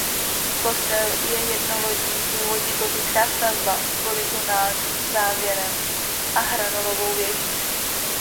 Kostel je jednolodní původně gotická stavba s polygonálním závěrem a hranolovou věží.